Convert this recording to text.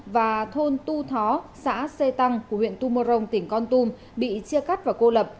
và thôn tu thó xã xê tăng của huyện tu mô rồng tỉnh con tum bị chia cắt và cô lập